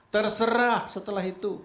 terserah setelah itu